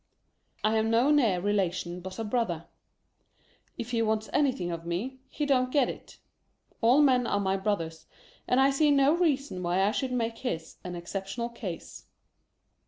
I have no near relation but a brother. If he wants any thing of me, he don't get it. All men are my brothers; and I see no reason why I should make his an exceptional case.